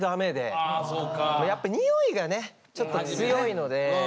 やっぱにおいがねちょっと強いので。